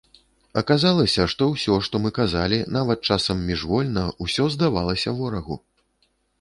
Аказалася, што ўсё, што мы казалі, нават часам міжвольна, усё здавалася ворагу.